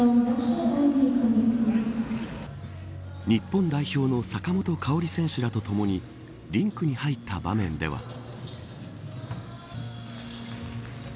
日本代表の坂本花織選手らとともにリンクに入った場面では。